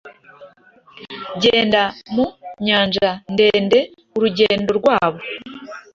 Genda mu nyanja-ndende urugendo rwabo